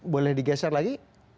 boleh digeser lagi